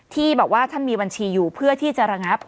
ที่บอกว่าท่านมีบัญชีอยู่เพื่อที่จะระงับ